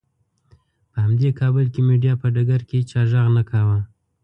په همدې کابل کې مېډیا په ډګر کې هېچا غږ نه کاوه.